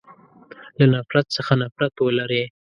له نفرت څخه نفرت ولری.